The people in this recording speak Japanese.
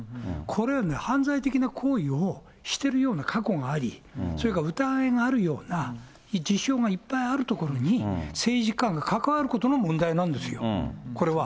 これは犯罪的な行為をしてるような過去があり、それから疑いがあるような事象がいっぱいある所に政治家が関わることが問題なんですよ、これは。